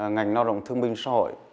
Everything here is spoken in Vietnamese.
ngành lao động thương binh xã hội